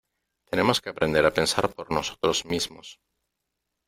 Tenemos que aprender a pensar por nosotros mismos.